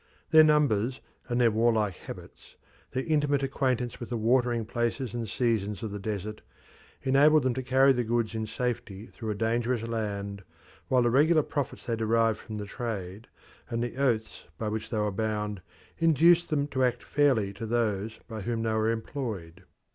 Their numbers and their warlike habits, their intimate acquaintance with the watering places and seasons of the desert, enabled them to carry the goods in safety through a dangerous land, while the regular profits they derived from the trade, and the oaths by which they were bound, induced them to act fairly to those by whom they were employed.